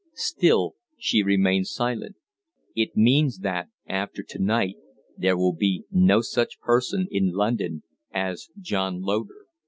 Still she remained silent. "It means that after to night there will be no such person in London as John Loder.